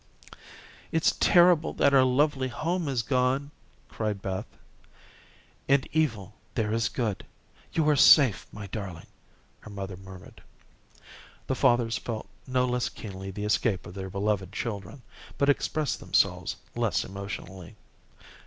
"It's terrible that our lovely home is gone," cried Beth. "In evil there is good. You are safe, my darling," her mother murmured. The fathers felt no less keenly the escape of their beloved children, but expressed themselves less emotionally.